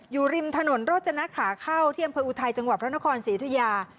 อยู่ริมถนนโรจนะขาเข้าที่อำเภออุทัยจังหวัดพระนครศรีธุยา